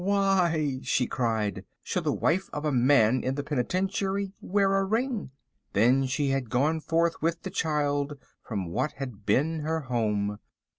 "Why," she cried, "should the wife of a man in the penitentiary wear a ring." Then she had gone forth with the child from what had been her home.